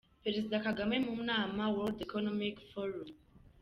Perezida Kagame mu nama World Economic Forum.